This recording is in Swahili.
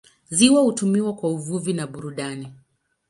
Ziwa hutumiwa kwa uvuvi na burudani.